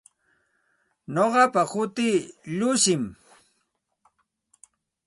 Nuqapa hutii Llushim.